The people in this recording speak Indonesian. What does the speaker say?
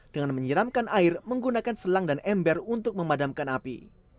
dengan menyiramkan air menggunakan selang dan ember untuk memadamkan api